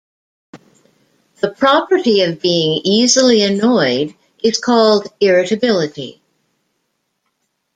The property of being easily annoyed is called irritability.